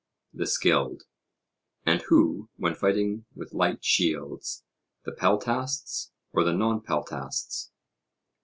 The skilled. And who when fighting with light shields the peltasts or the nonpeltasts?